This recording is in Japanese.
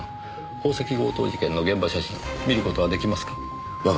宝石強盗事件の現場写真見る事は出来ますか？